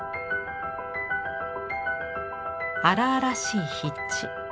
荒々しい筆致。